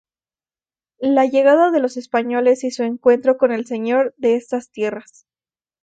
La llegada de los españoles y su encuentro con el señor de estas tierras.